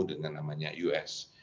dengan namanya us